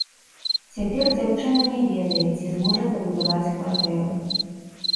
Цяпер дзяўчына не ведае, ці зможа дабудаваць кватэру.